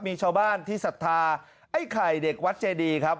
มีชาวบ้านที่ศรัทธาไอ้ไข่เด็กวัดเจดีครับ